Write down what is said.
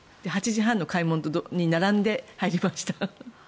８時半の開門に並んで入りました。